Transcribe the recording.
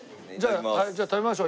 じゃあ食べましょう。